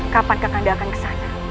kapan kakanda akan ke sana